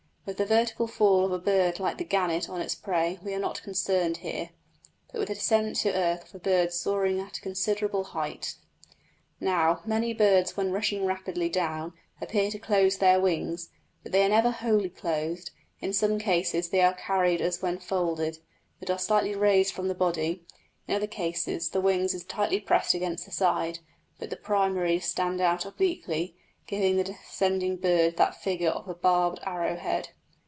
With the vertical fall of a bird like the gannet on its prey we are not concerned here, but with the descent to earth of a bird soaring at a considerable height. Now, many birds when rushing rapidly down appear to close their wings, but they are never wholly closed; in some cases they are carried as when folded, but are slightly raised from the body; in other cases the wing is tightly pressed against the side, but the primaries stand out obliquely, giving the descending bird the figure of a barbed arrow head.